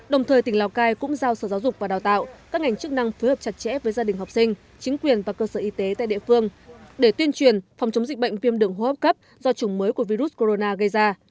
đồng thời tỉnh lào cai cũng giao sở giáo dục và đào tạo các ngành chức năng phối hợp chặt chẽ với gia đình học sinh chính quyền và cơ sở y tế tại địa phương để tuyên truyền phòng chống dịch bệnh viêm đường hô hấp cấp do chủng mới của virus corona gây ra